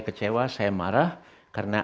kecewa saya marah karena